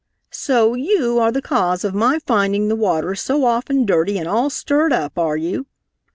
"So you are the cause of my finding the water so often dirty and all stirred up, are you?